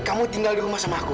kamu tinggal di rumah sama aku